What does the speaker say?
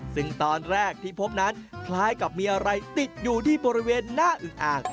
ซึ่งตอนแรกที่พบนั้นคล้ายกับมีอะไรติดอยู่ที่บริเวณหน้าอึงอ่าง